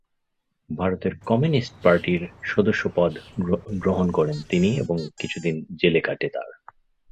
ভারতের কমিউনিস্ট পার্টির সদস্যপদ গ্রহণ করেন তিনি এবং কিছুদিন জেলে কাটে তার।